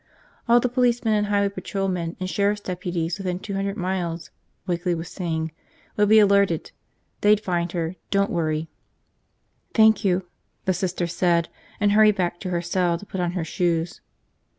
All the policemen and highway patrolmen and sheriff's deputies within two hundred miles, Wakeley was saying, would be alerted, they'd find her, don't worry. "Thank you," the Sister said, and hurried back to her cell to put on her shoes.